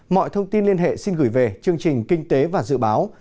mọi thông tin liên hệ xin gửi về chương trình kinh tế và dự báo